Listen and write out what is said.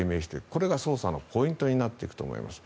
これが捜査のポイントになっていくと思います。